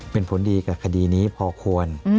เป็นผลดีกับคดีนี้พอควร